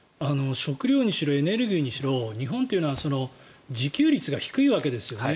食料にしろエネルギーにしろ日本というのは自給率が低いわけですよね。